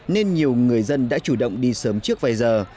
nên nhiều người dân đã chủ động đi sớm trước vài giờ